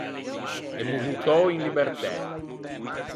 Emmo votou in libertæ.